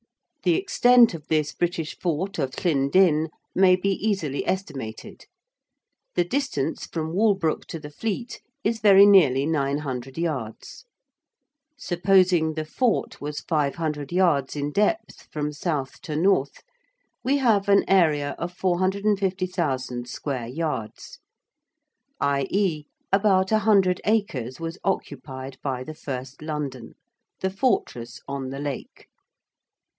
The extent of this British fort of Llyn din may be easily estimated. The distance from Walbrook to the Fleet is very nearly 900 yards; supposing the fort was 500 yards in depth from south to north we have an area of 450,000 square yards, i.e. about 100 acres was occupied by the first London, the Fortress on the Lake.